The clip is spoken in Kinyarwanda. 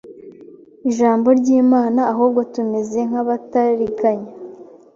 Ijambo ry Imana ahubwo tumeze nk abatariganya